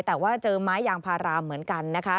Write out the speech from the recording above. แต่ว่าเจอไม้ยางพารามเหมือนกันนะคะ